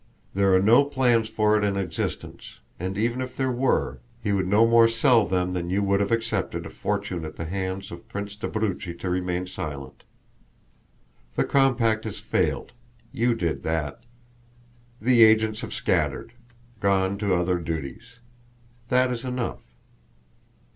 There are no plans for it in existence, and even if there were he would no more sell them than you would have accepted a fortune at the hands of Prince d'Abruzzi to remain silent. The compact has failed; you did that. The agents have scattered gone to other duties. That is enough."